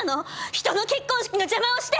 人の結婚式の邪魔をして！